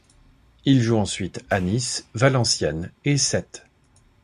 Il joue ensuite à Nice, Valenciennes et Sète.